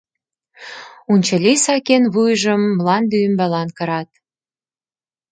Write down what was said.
Унчыли сакен вуйжым мланде ӱмбалан кырат.